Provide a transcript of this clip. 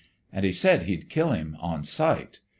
And he said he'd kill him on sight.